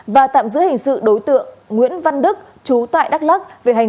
và tạm giữ hình sự đối tượng nguyễn văn đức chú tại đắk lắc